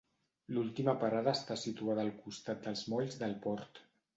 L'última parada està situada al costat dels molls del port.